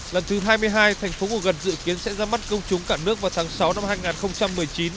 lần thứ hai mươi hai thành phố ngủ gần dự kiến sẽ ra mắt công chúng cả nước vào tháng sáu năm hai nghìn một mươi chín